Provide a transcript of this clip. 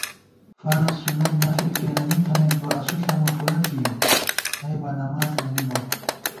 فَرض، سُنت، نَفِل کېرَنی تھنَئیت بہ اسُو ݪَمہ فُورہ کېیؤ، نئیبہ نماڅ نہ بِبہ